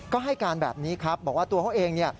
ก็ให้การแบบนี้ครับบอกว่าตัวเขาเองเนี่ย